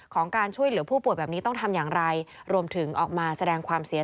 ของการช่วยเหลือผู้ปวดแบบนี้ต้องทำอย่างไร